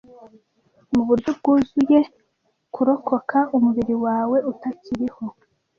muburyo bwuzuye kurokoka umubiri wawe utakiriho